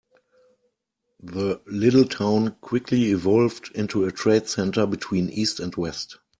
The little town quickly evolved into a trade center between east and west.